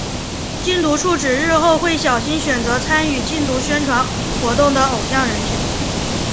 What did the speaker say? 禁毒处指日后会小心选择参与禁毒宣传活动的偶像人选。